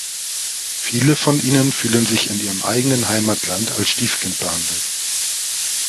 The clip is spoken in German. Viele von ihnen fühlen sich in ihrem eigenen Heimatland als Stiefkind behandelt.